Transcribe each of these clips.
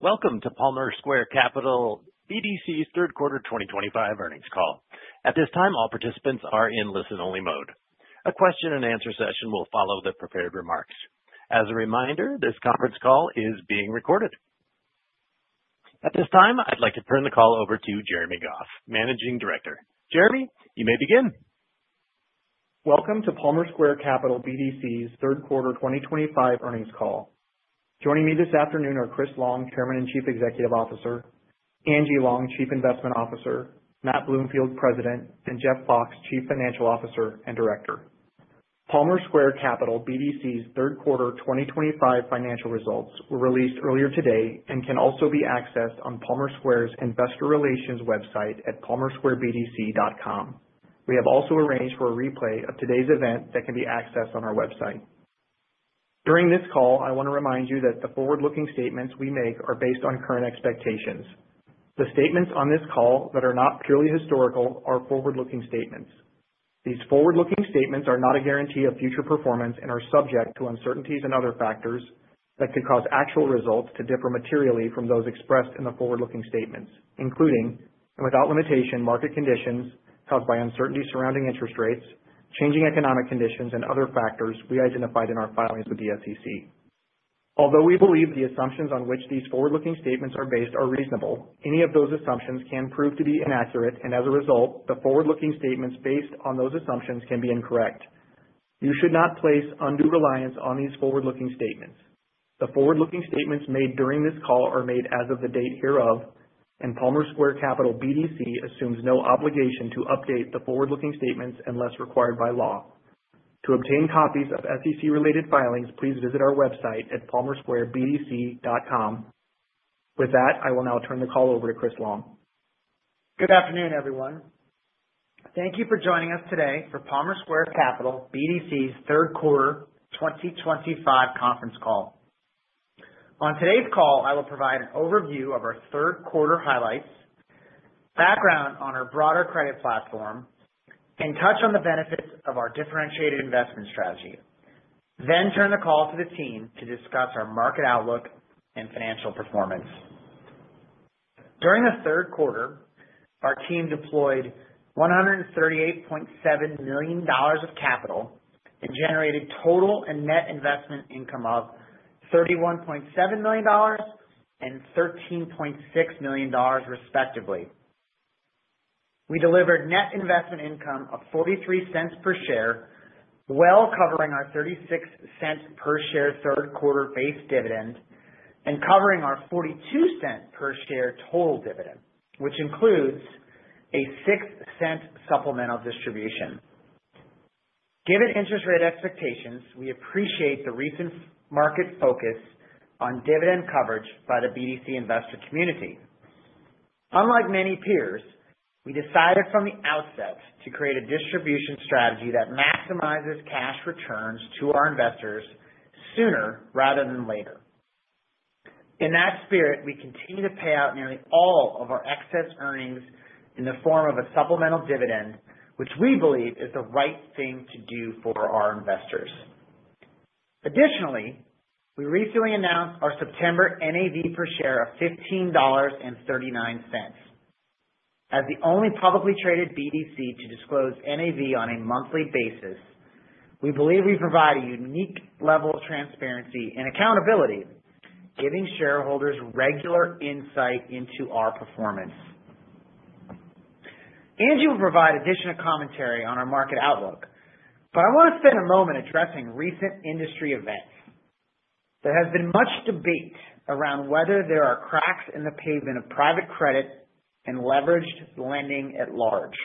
Welcome to Palmer Square Capital BDC's third quarter 2025 earnings call. At this time, all participants are in listen-only mode. A question and answer session will follow the prepared remarks. As a reminder, this conference call is being recorded. At this time, I'd like to turn the call over to Jeremy Goff, Managing Director. Jeremy, you may begin. Welcome to Palmer Square Capital BDC's third quarter 2025 earnings call. Joining me this afternoon are Chris Long, Chairman and Chief Executive Officer, Angie Long, Chief Investment Officer, Matt Bloomfield, President, and Jeff Fox, Chief Financial Officer and Director. Palmer Square Capital BDC's third quarter 2025 financial results were released earlier today and can also be accessed on Palmer Square's investor relations website at palmersquarebdc.com. We have also arranged for a replay of today's event that can be accessed on our website. During this call, I want to remind you that the forward-looking statements we make are based on current expectations. The statements on this call that are not purely historical are forward-looking statements. These forward-looking statements are not a guarantee of future performance and are subject to uncertainties and other factors that could cause actual results to differ materially from those expressed in the forward-looking statements, including and without limitation, market conditions caused by uncertainty surrounding interest rates, changing economic conditions, and other factors we identified in our filings with the SEC. Although we believe the assumptions on which these forward-looking statements are based are reasonable, any of those assumptions can prove to be inaccurate, and as a result, the forward-looking statements based on those assumptions can be incorrect. You should not place undue reliance on these forward-looking statements. The forward-looking statements made during this call are made as of the date hereof, and Palmer Square Capital BDC assumes no obligation to update the forward-looking statements unless required by law. To obtain copies of SEC-related filings, please visit our website at palmersquarebdc.com. With that, I will now turn the call over to Chris Long. Good afternoon, everyone. Thank you for joining us today for Palmer Square Capital BDC's third quarter 2025 conference call. On today's call, I will provide an overview of our third quarter highlights, background on our broader credit platform, and touch on the benefits of our differentiated investment strategy. Turn the call to the team to discuss our market outlook and financial performance. During the third quarter, our team deployed $138.7 million of capital and generated total and net investment income of $31.7 million and $13.6 million, respectively. We delivered net investment income of $0.43 per share, well covering our $0.36 per share third quarter base dividend and covering our $0.42 per share total dividend, which includes a $0.06 supplemental distribution. Given interest rate expectations, we appreciate the recent market focus on dividend coverage by the BDC investor community. Unlike many peers, we decided from the outset to create a distribution strategy that maximizes cash returns to our investors sooner rather than later. In that spirit, we continue to pay out nearly all of our excess earnings in the form of a supplemental dividend, which we believe is the right thing to do for our investors. Additionally, we recently announced our September NAV per share of $15.39. As the only publicly traded BDC to disclose NAV on a monthly basis, we believe we provide a unique level of transparency and accountability, giving shareholders regular insight into our performance. Angie will provide additional commentary on our market outlook, I want to spend a moment addressing recent industry events. There has been much debate around whether there are cracks in the pavement of private credit and leveraged lending at large.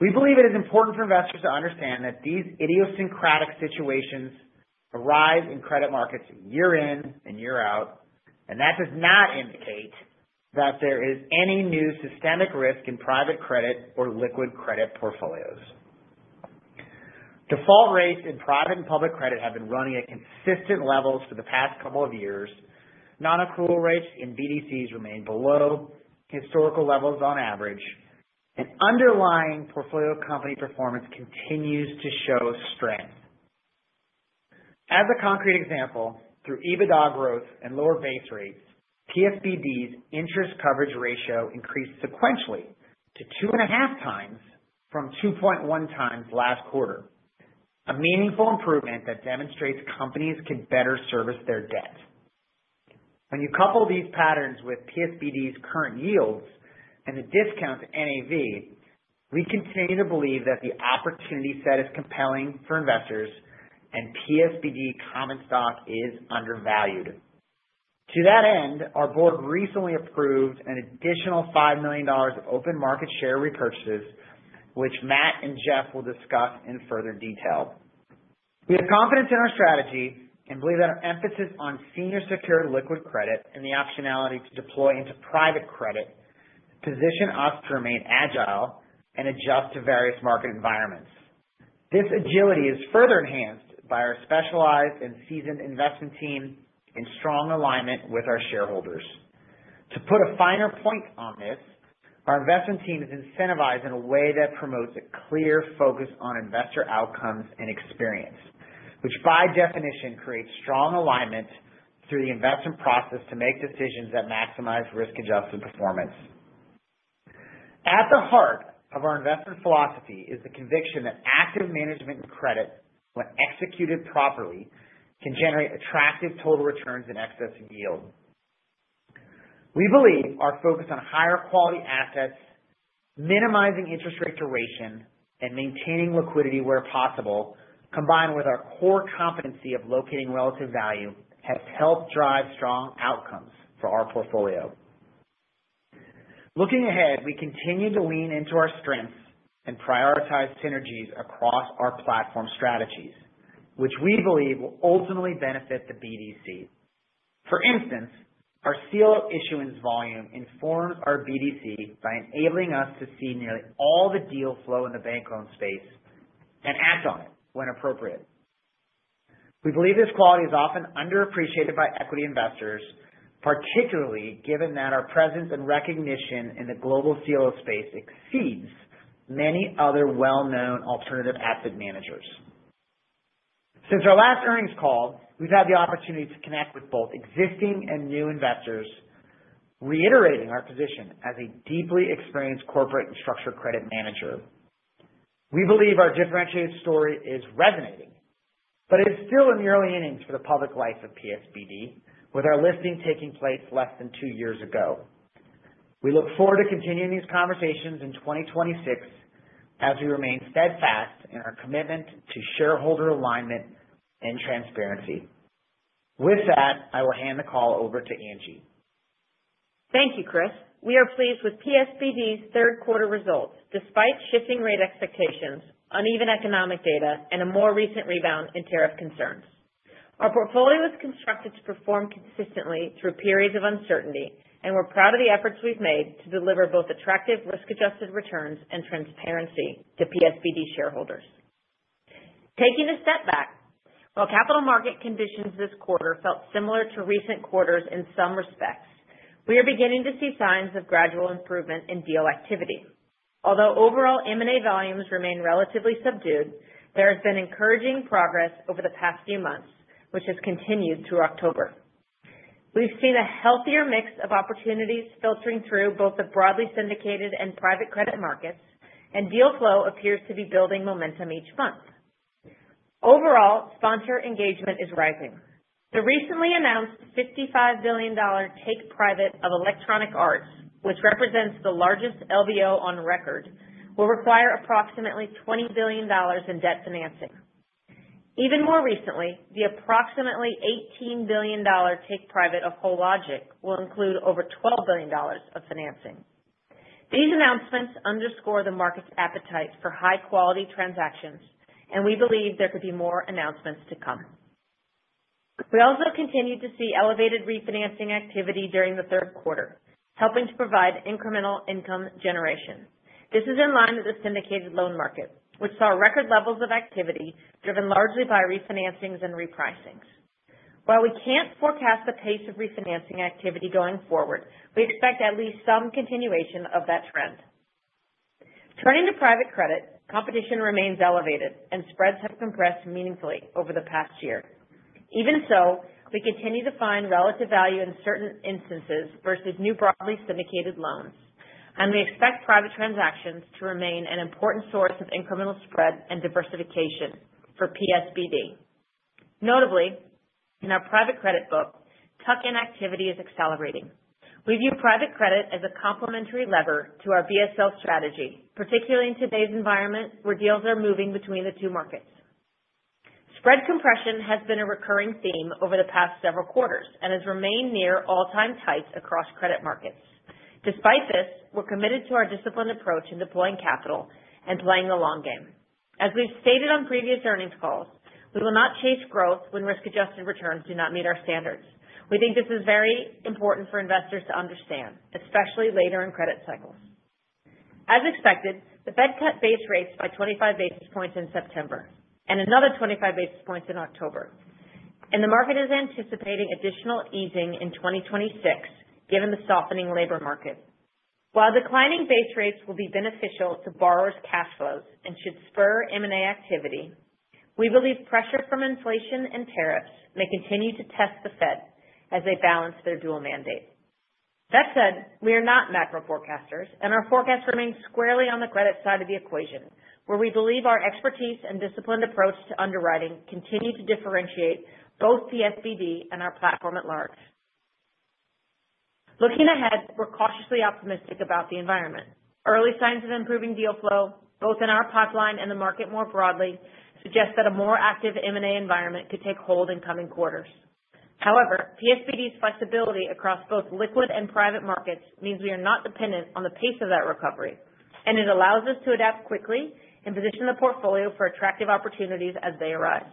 We believe it is important for investors to understand that these idiosyncratic situations arise in credit markets year in and year out. That does not indicate that there is any new systemic risk in private credit or liquid credit portfolios. Default rates in private and public credit have been running at consistent levels for the past couple of years. Non-accrual rates in BDCs remain below historical levels on average. Underlying portfolio company performance continues to show strength. As a concrete example, through EBITDA growth and lower base rates, PSBD's interest coverage ratio increased sequentially to 2.5 times from 2.1 times last quarter. A meaningful improvement that demonstrates companies can better service their debt. When you couple these patterns with PSBD's current yields and the discount to NAV, we continue to believe that the opportunity set is compelling for investors and PSBD common stock is undervalued. To that end, our board recently approved an additional $5 million of open market share repurchases, which Matt and Jeff will discuss in further detail. We have confidence in our strategy and believe that our emphasis on senior secured liquid credit and the optionality to deploy into private credit position us to remain agile and adjust to various market environments. This agility is further enhanced by our specialized and seasoned investment team in strong alignment with our shareholders. To put a finer point on this, our investment team is incentivized in a way that promotes a clear focus on investor outcomes and experience, which by definition creates strong alignment through the investment process to make decisions that maximize risk-adjusted performance. At the heart of our investment philosophy is the conviction that active management in credit, when executed properly, can generate attractive total returns in excess of yield. We believe our focus on higher quality assets, minimizing interest rate duration, and maintaining liquidity where possible, combined with our core competency of locating relative value, has helped drive strong outcomes for our portfolio. Looking ahead, we continue to lean into our strengths and prioritize synergies across our platform strategies, which we believe will ultimately benefit the BDC. For instance, our CLO issuance volume informs our BDC by enabling us to see nearly all the deal flow in the bank loan space and act on it when appropriate. We believe this quality is often underappreciated by equity investors, particularly given that our presence and recognition in the global CLO space exceeds many other well-known alternative asset managers. Since our last earnings call, we've had the opportunity to connect with both existing and new investors, reiterating our position as a deeply experienced corporate and structured credit manager. It is still in the early innings for the public life of PSBD, with our listing taking place less than two years ago. We look forward to continuing these conversations in 2026 as we remain steadfast in our commitment to shareholder alignment and transparency. With that, I will hand the call over to Angie. Thank you, Chris. We are pleased with PSBD's third quarter results, despite shifting rate expectations, uneven economic data, and a more recent rebound in tariff concerns. Our portfolio was constructed to perform consistently through periods of uncertainty, and we're proud of the efforts we've made to deliver both attractive risk-adjusted returns and transparency to PSBD shareholders. Taking a step back, while capital market conditions this quarter felt similar to recent quarters in some respects, we are beginning to see signs of gradual improvement in deal activity. Although overall M&A volumes remain relatively subdued, there has been encouraging progress over the past few months, which has continued through October. We've seen a healthier mix of opportunities filtering through both the broadly syndicated and private credit markets, and deal flow appears to be building momentum each month. Overall, sponsor engagement is rising. The recently announced $55 billion take private of [Electronic Arts], which represents the largest LBO on record, will require approximately $20 billion in debt financing. Even more recently, the approximately $18 billion take private of Worldpay will include over $12 billion of financing. These announcements underscore the market's appetite for high-quality transactions. We believe there could be more announcements to come. We also continue to see elevated refinancing activity during the third quarter, helping to provide incremental income generation. This is in line with the syndicated loan market, which saw record levels of activity driven largely by refinancings and repricings. While we can't forecast the pace of refinancing activity going forward, we expect at least some continuation of that trend. Turning to private credit, competition remains elevated and spreads have compressed meaningfully over the past year. Even so, we continue to find relative value in certain instances versus new broadly syndicated loans. We expect private transactions to remain an important source of incremental spread and diversification for PSBD. Notably, in our private credit book, tuck-in activity is accelerating. We view private credit as a complementary lever to our BSL strategy, particularly in today's environment where deals are moving between the two markets. Spread compression has been a recurring theme over the past several quarters and has remained near all-time tights across credit markets. Despite this, we're committed to our disciplined approach in deploying capital and playing the long game. As we've stated on previous earnings calls, we will not chase growth when risk-adjusted returns do not meet our standards. We think this is very important for investors to understand, especially later in credit cycles. As expected, the Fed cut base rates by 25 basis points in September and another 25 basis points in October. The market is anticipating additional easing in 2026 given the softening labor market. While declining base rates will be beneficial to borrowers' cash flows and should spur M&A activity, we believe pressure from inflation and tariffs may continue to test the Fed as they balance their dual mandate. That said, we are not macro forecasters, and our forecast remains squarely on the credit side of the equation, where we believe our expertise and disciplined approach to underwriting continue to differentiate both PSBD and our platform at large. Looking ahead, we're cautiously optimistic about the environment. Early signs of improving deal flow, both in our pipeline and the market more broadly, suggest that a more active M&A environment could take hold in coming quarters. However, PSBD's flexibility across both liquid and private markets means we are not dependent on the pace of that recovery, and it allows us to adapt quickly and position the portfolio for attractive opportunities as they arise.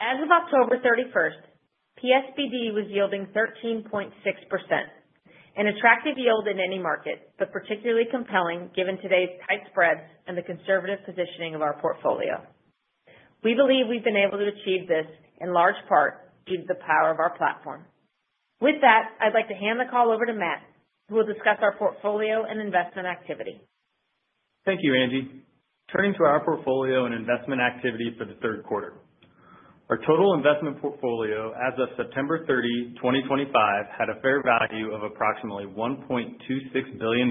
As of October 31st, PSBD was yielding 13.6%, an attractive yield in any market, but particularly compelling given today's tight spreads and the conservative positioning of our portfolio. We believe we've been able to achieve this in large part due to the power of our platform. With that, I'd like to hand the call over to Matt, who will discuss our portfolio and investment activity. Thank you, Angie. Turning to our portfolio and investment activity for the third quarter. Our total investment portfolio as of September 30, 2025, had a fair value of approximately $1.26 billion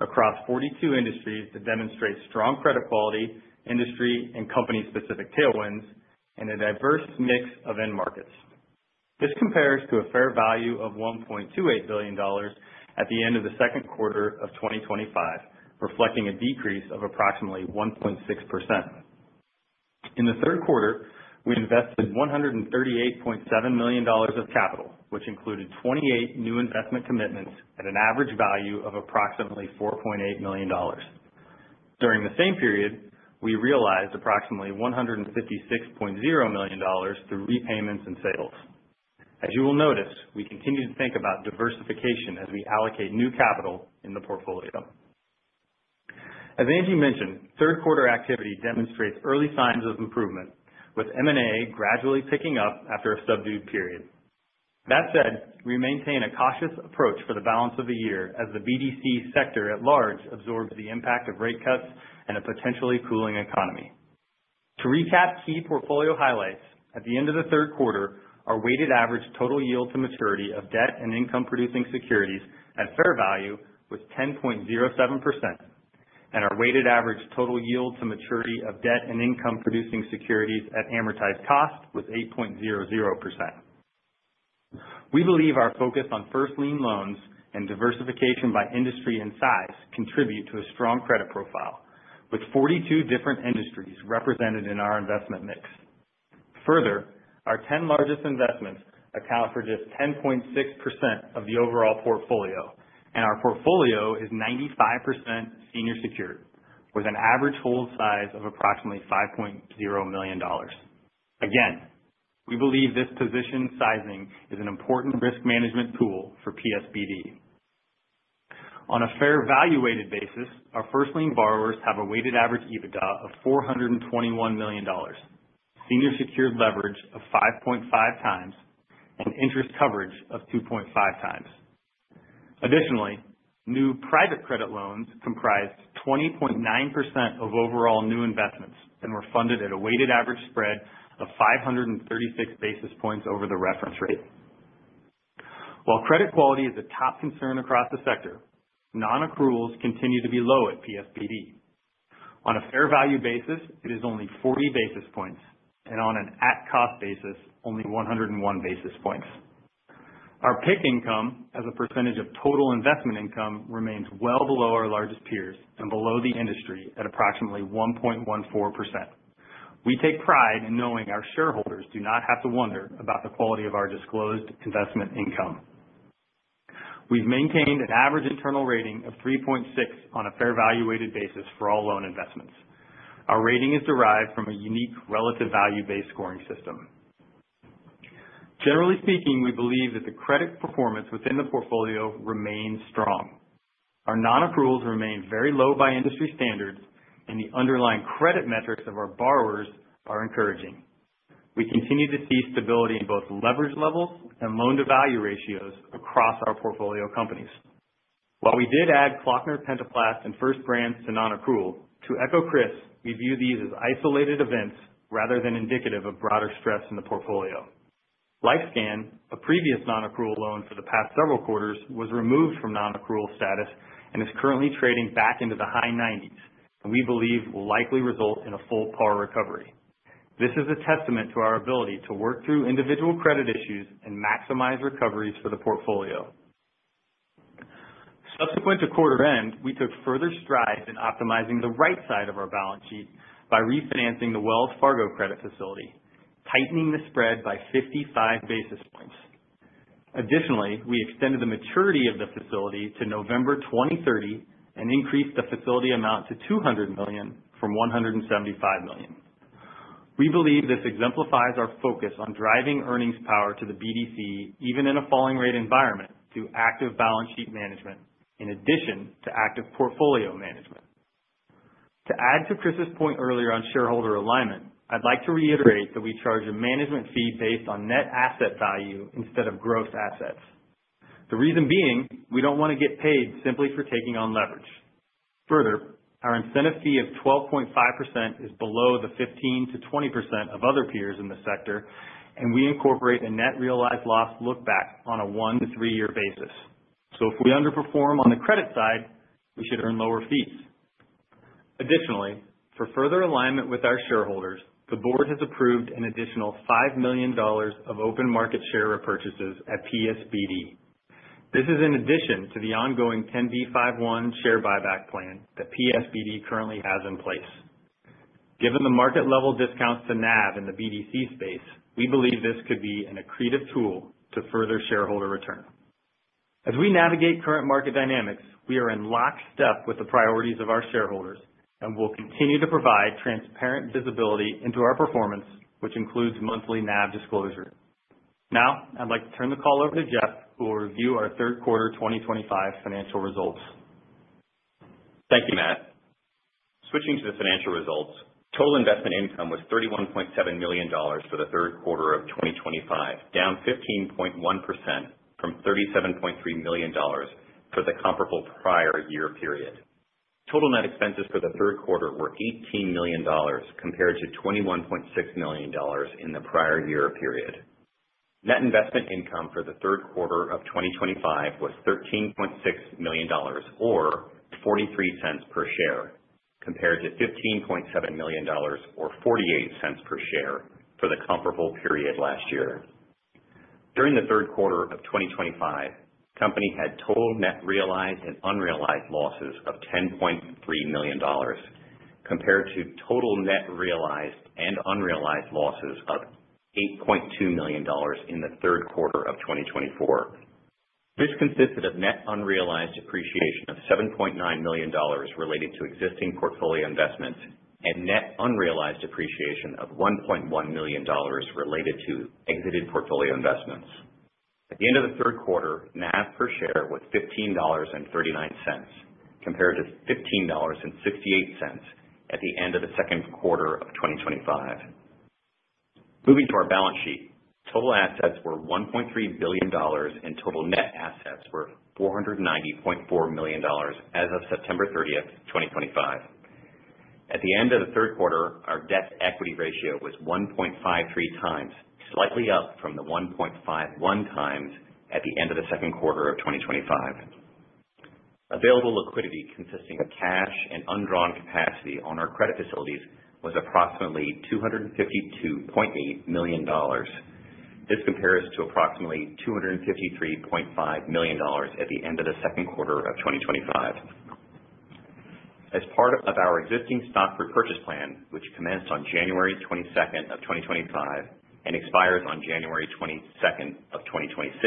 across 42 industries that demonstrate strong credit quality, industry, and company specific tailwinds, and a diverse mix of end markets. This compares to a fair value of $1.28 billion at the end of the second quarter of 2025, reflecting a decrease of approximately 1.6%. In the third quarter, we invested $138.7 million of capital, which included 28 new investment commitments at an average value of approximately $4.8 million. During the same period, we realized approximately $156.0 million through repayments and sales. As you will notice, we continue to think about diversification as we allocate new capital in the portfolio. As Angie mentioned, third quarter activity demonstrates early signs of improvement, with M&A gradually picking up after a subdued period. That said, we maintain a cautious approach for the balance of the year as the BDC sector at large absorbs the impact of rate cuts and a potentially cooling economy. To recap key portfolio highlights, at the end of the third quarter, our weighted average total yield to maturity of debt and income-producing securities at fair value was 10.07%, and our weighted average total yield to maturity of debt and income-producing securities at amortized cost was 8.00%. We believe our focus on first lien loans and diversification by industry and size contribute to a strong credit profile, with 42 different industries represented in our investment mix. Further, our 10 largest investments account for just 10.6% of the overall portfolio, and our portfolio is 95% senior secured, with an average hold size of approximately $5.0 million. Again, we believe this position sizing is an important risk management tool for PSBD. On a fair value weighted basis, our first lien borrowers have a weighted average EBITDA of $421 million, senior secured leverage of 5.5 times, and interest coverage of 2.5 times. Additionally, new private credit loans comprised 20.9% of overall new investments and were funded at a weighted average spread of 536 basis points over the reference rate. While credit quality is a top concern across the sector, non-accruals continue to be low at PSBD. On a fair value basis, it is only 40 basis points, and on an at-cost basis, only 101 basis points. Our PIK income as a percentage of total investment income remains well below our largest peers and below the industry at approximately 1.14%. We take pride in knowing our shareholders do not have to wonder about the quality of our disclosed investment income. We've maintained an average internal rating of 3.6 on a fair value weighted basis for all loan investments. Our rating is derived from a unique relative value-based scoring system. Generally speaking, we believe that the credit performance within the portfolio remains strong. Our non-accruals remain very low by industry standards, and the underlying credit metrics of our borrowers are encouraging. We continue to see stability in both leverage levels and loan-to-value ratios across our portfolio companies. While we did add Klöckner Pentaplast and First Brands to non-accrual, to echo Chris, we view these as isolated events rather than indicative of broader stress in the portfolio. LifeScan, a previous non-accrual loan for the past several quarters, was removed from non-accrual status and is currently trading back into the high 90s, and we believe will likely result in a full par recovery. This is a testament to our ability to work through individual credit issues and maximize recoveries for the portfolio. Subsequent to quarter end, we took further strides in optimizing the right side of our balance sheet by refinancing the Wells Fargo credit facility, tightening the spread by 55 basis points. Additionally, we extended the maturity of the facility to November 2030 and increased the facility amount to $200 million from $175 million. We believe this exemplifies our focus on driving earnings power to the BDC even in a falling rate environment through active balance sheet management in addition to active portfolio management. To add to Chris's point earlier on shareholder alignment, I'd like to reiterate that we charge a management fee based on net asset value instead of gross assets. The reason being, we don't want to get paid simply for taking on leverage. Our incentive fee of 12.5% is below the 15%-20% of other peers in the sector, and we incorporate a net realized loss look-back on a one- to three-year basis. If we underperform on the credit side, we should earn lower fees. Additionally, for further alignment with our shareholders, the board has approved an additional $5 million of open market share repurchases at PSBD. This is in addition to the ongoing 10b5-1 share buyback plan that PSBD currently has in place. Given the market level discounts to NAV in the BDC space, we believe this could be an accretive tool to further shareholder return. As we navigate current market dynamics, we are in lockstep with the priorities of our shareholders and will continue to provide transparent visibility into our performance, which includes monthly NAV disclosure. I'd like to turn the call over to Jeff, who will review our third quarter 2025 financial results. Thank you, Matt. Switching to the financial results, total investment income was $31.7 million for the third quarter of 2025, down 15.1% from $37.3 million for the comparable prior year period. Total net expenses for the third quarter were $18 million, compared to $21.6 million in the prior year period. Net investment income for the third quarter of 2025 was $13.6 million, or $0.43 per share, compared to $15.7 million or $0.48 per share for the comparable period last year. During the third quarter of 2025, the company had total net realized and unrealized losses of $10.3 million, compared to total net realized and unrealized losses of $8.2 million in the third quarter of 2024. This consisted of net unrealized appreciation of $7.9 million related to existing portfolio investments and net unrealized appreciation of $1.1 million related to exited portfolio investments. At the end of the third quarter, NAV per share was $15.39, compared to $15.68 at the end of the second quarter of 2025. Moving to our balance sheet, total assets were $1.3 billion, and total net assets were $490.4 million as of September 30th, 2025. At the end of the third quarter, our debt-to-equity ratio was 1.53 times, slightly up from the 1.51 times at the end of the second quarter of 2025. Available liquidity, consisting of cash and undrawn capacity on our credit facilities, was approximately $252.8 million. This compares to approximately $253.5 million at the end of the second quarter of 2025. As part of our existing stock repurchase plan, which commenced on January 22nd of 2025 and expires on January 22nd of 2026,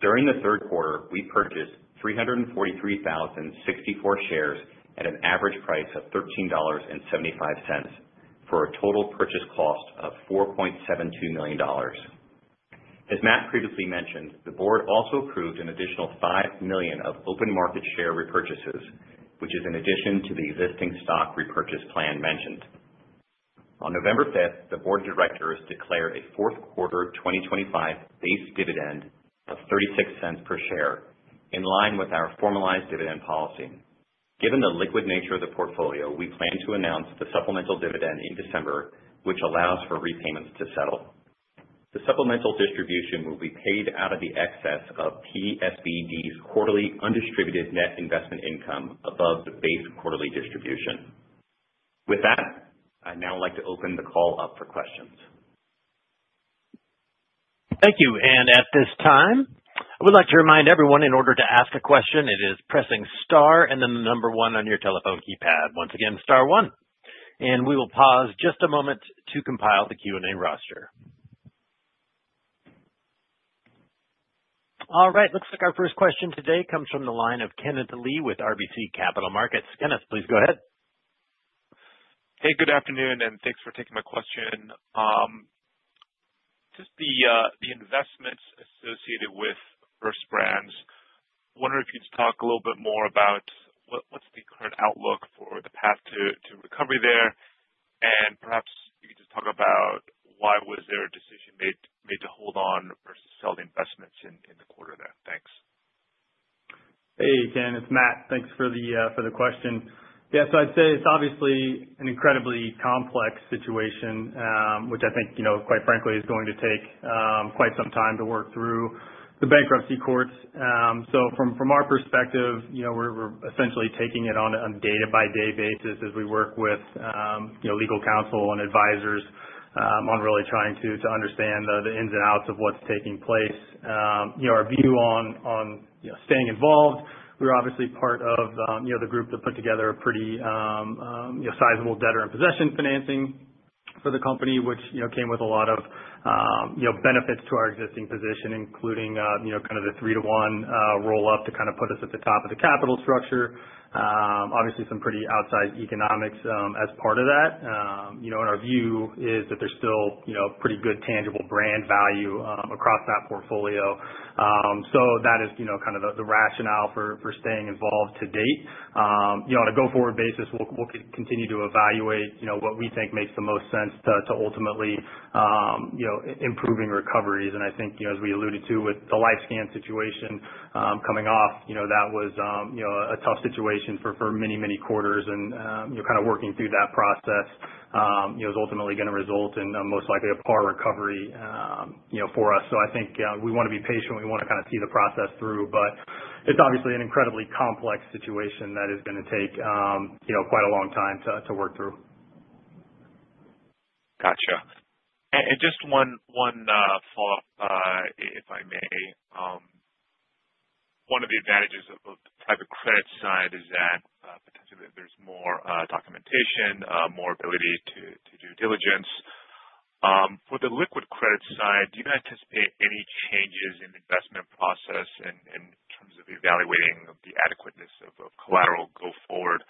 during the third quarter, we purchased 343,064 shares at an average price of $13.75 for a total purchase cost of $4.72 million. As Matt previously mentioned, the board also approved an additional $5 million of open market share repurchases, which is in addition to the existing stock repurchase plan mentioned. On November 5th, the board of directors declared a fourth quarter 2025 base dividend of $0.36 per share, in line with our formalized dividend policy. Given the liquid nature of the portfolio, we plan to announce the supplemental dividend in December, which allows for repayments to settle. The supplemental distribution will be paid out of the excess of PSBD's quarterly undistributed net investment income above the base quarterly distribution. With that, I'd now like to open the call up for questions. Thank you. At this time, I would like to remind everyone in order to ask a question, it is pressing star and then the number one on your telephone keypad. Once again, star one. We will pause just a moment to compile the Q&A roster. All right. Looks like our first question today comes from the line of Kenneth Lee with RBC Capital Markets. Kenneth, please go ahead. Hey, good afternoon, thanks for taking my question. Just the investments associated with First Brands, I wonder if you'd talk a little bit more about what's the current outlook for the path to recovery there? Perhaps you could just talk about why was there a decision made to hold on versus sell the investments in the quarter there. Thanks. Hey, Ken, it's Matt. Thanks for the question. I'd say it's obviously an incredibly complex situation, which I think, quite frankly, is going to take quite some time to work through the bankruptcy courts. From our perspective, we're essentially taking it on a day-by-day basis as we work with legal counsel and advisors on really trying to understand the ins and outs of what's taking place. Our view on staying involved, we're obviously part of the group that put together a pretty sizable debtor-in-possession financing for the company, which came with a lot of benefits to our existing position, including kind of the 3-to-1 roll-up to kind of put us at the top of the capital structure. Obviously, some pretty outsized economics as part of that. Our view is that there's still pretty good tangible brand value across that portfolio. That is kind of the rationale for staying involved to date. On a go-forward basis, we'll continue to evaluate what we think makes the most sense to ultimately improving recoveries. I think, as we alluded to with the LifeScan situation coming off, that was a tough situation for many, many quarters. Kind of working through that process is ultimately going to result in most likely a par recovery for us. I think we want to be patient. We want to kind of see the process through. It's obviously an incredibly complex situation that is going to take quite a long time to work through. Got you. Just one follow-up, if I may. One of the advantages of the private credit side is that potentially there's more documentation, more ability to due diligence. For the liquid credit side, do you anticipate any changes in investment process in terms of evaluating the adequateness of collateral go forward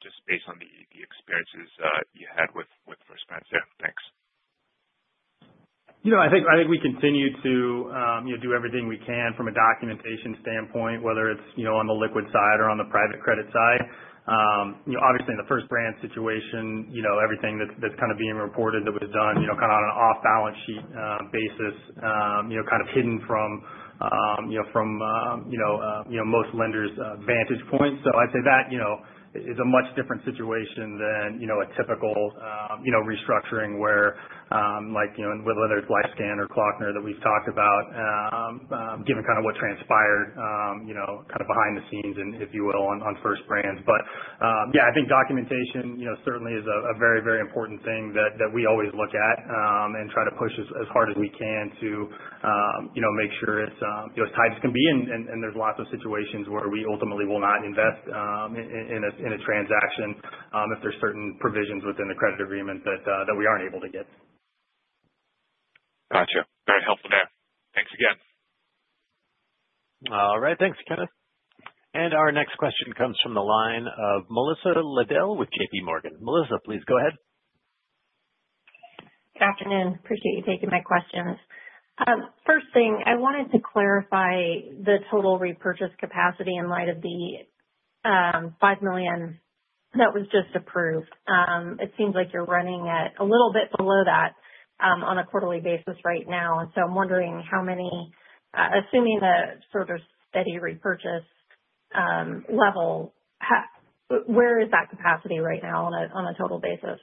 just based on the experiences you had with First Brands Group? Yeah. I think we continue to do everything we can from a documentation standpoint, whether it's on the liquid side or on the private credit side. Obviously in the First Brands Group situation, everything that's being reported that was done on an off-balance sheet basis, hidden from most lenders' vantage points. I'd say that is a much different situation than a typical restructuring where, whether it's LifeScan or Klöckner Pentaplast that we've talked about, given what transpired behind the scenes, if you will, on First Brands Group. Yeah, I think documentation certainly is a very important thing that we always look at and try to push as hard as we can to make sure it's as tight as can be. There's lots of situations where we ultimately will not invest in a transaction if there's certain provisions within the credit agreement that we aren't able to get. Got you. Very helpful there. Thanks again. Thanks, Kenneth. Our next question comes from the line of Melissa Wedel with JP Morgan. Melissa, please go ahead. Good afternoon. Appreciate you taking my questions. First thing, I wanted to clarify the total repurchase capacity in light of the $5 million that was just approved. It seems like you're running at a little bit below that on a quarterly basis right now. I'm wondering, assuming the sort of steady repurchase level, where is that capacity right now on a total basis?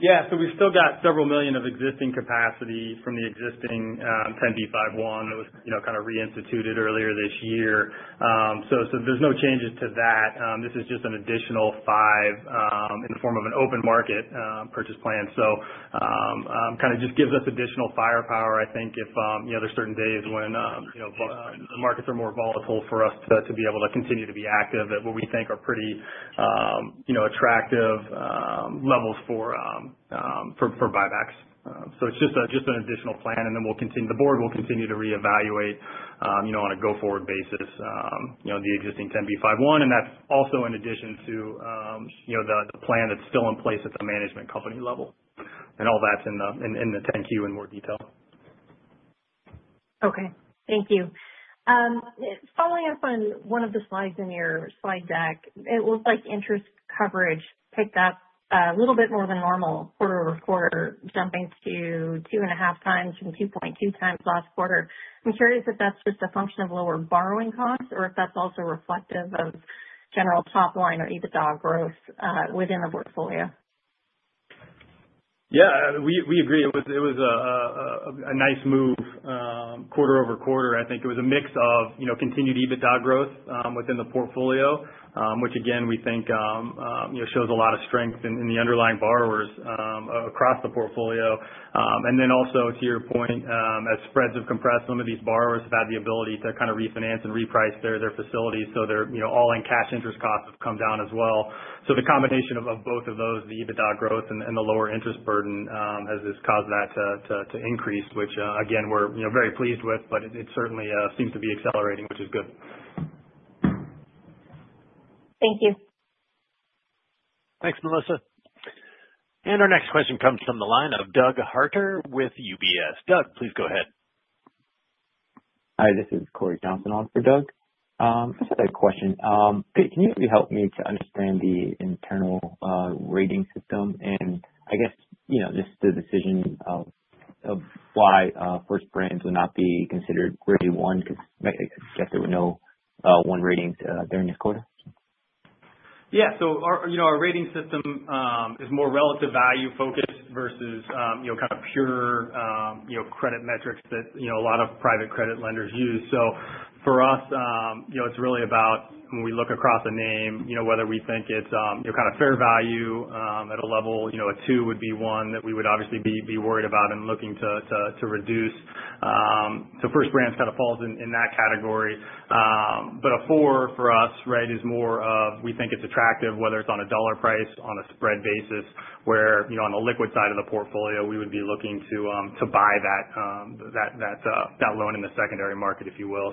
Yeah. We've still got several million of existing capacity from the existing 10b5-1 that was kind of reinstituted earlier this year. There's no changes to that. This is just an additional $5 in the form of an open market purchase plan. Just gives us additional firepower, I think, if there's certain days when the markets are more volatile for us to be able to continue to be active at what we think are pretty attractive levels for buybacks. It's just an additional plan, the board will continue to reevaluate on a go-forward basis the existing 10b5-1, and that's also in addition to the plan that's still in place at the management company level. All that's in the 10-Q in more detail. Okay. Thank you. Following up on one of the slides in your slide deck, it looks like interest coverage picked up a little bit more than normal quarter-over-quarter, jumping to 2.5 times from 2.2 times last quarter. I'm curious if that's just a function of lower borrowing costs or if that's also reflective of general top line or EBITDA growth within the portfolio. Yeah. We agree. It was a nice move quarter-over-quarter. I think it was a mix of continued EBITDA growth within the portfolio. Which again, we think shows a lot of strength in the underlying borrowers across the portfolio. Also to your point, as spreads have compressed, some of these borrowers have had the ability to kind of refinance and reprice their facilities so their all-in cash interest costs have come down as well. The combination of both of those, the EBITDA growth and the lower interest burden has just caused that to increase, which again, we're very pleased with. It certainly seems to be accelerating, which is good. Thank you. Thanks, Melissa. Our next question comes from the line of Doug Harter with UBS. Doug, please go ahead. Hi, this is Cory Johnson on for Doug. Just a quick question. Could you maybe help me to understand the internal rating system and I guess just the decision of why First Brands would not be considered grade 1, because I guess there were no 1 ratings during this quarter? Our rating system is more relative value focused versus kind of pure credit metrics that a lot of private credit lenders use. For us, it's really about when we look across a name, whether we think it's fair value at a level. A 2 would be one that we would obviously be worried about and looking to reduce. First Brands kind of falls in that category. A 4 for us is more of, we think it's attractive, whether it's on a dollar price on a spread basis, where on the liquid side of the portfolio, we would be looking to buy that loan in the secondary market, if you will.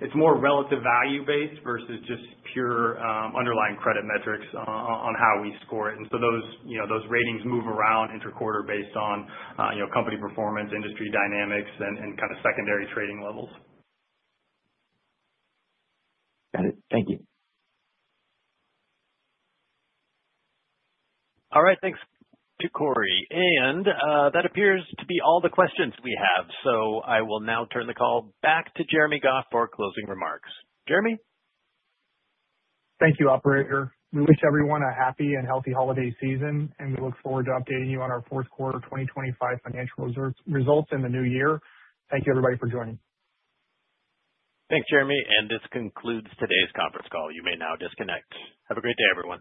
It's more relative value based versus just pure underlying credit metrics on how we score it. Those ratings move around inter-quarter based on company performance, industry dynamics, and kind of secondary trading levels. Got it. Thank you. Thanks to Cory. That appears to be all the questions we have. I will now turn the call back to Jeremy Goff for closing remarks. Jeremy? Thank you, operator. We wish everyone a happy and healthy holiday season, and we look forward to updating you on our fourth quarter 2025 financial results in the new year. Thank you everybody for joining. Thanks, Jeremy. This concludes today's conference call. You may now disconnect. Have a great day, everyone.